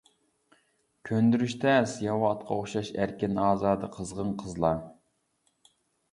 كۆندۈرۈش تەس ياۋا ئاتقا ئوخشاش ئەركىن-ئازادە، قىزغىن قىزلار.